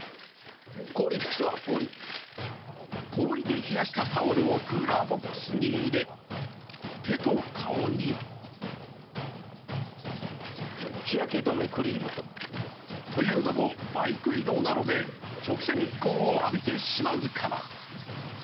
氷で冷やしたタオルをクーラーボックスに入れ手と顔にというのもバイク移動なので直射日光を浴びてしまうから。